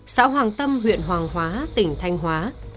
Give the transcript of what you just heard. xã hoàng tâm huyện hoàng hóa tỉnh thanh hóa